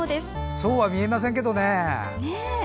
そうは見えませんけどね。